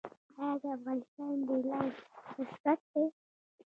آیا د افغانستان بیلانس مثبت دی؟